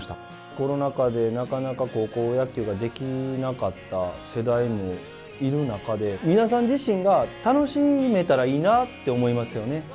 コロナ禍で、なかなか高校野球ができなかった世代もいる中で皆さん自身が楽しめたらいいなって思いますよね。